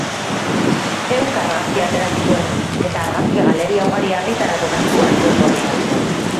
Ehunka argazki atera zituen, eta argazki galeria ugari argitaratu genituen web orrian.